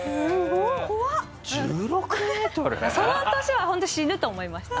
その年はホント死ぬと思いました。